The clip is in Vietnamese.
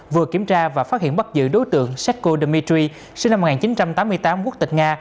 vừa kiểm tra và phát hiện bắt giữ đối tượng seco demitry sinh năm một nghìn chín trăm tám mươi tám quốc tịch nga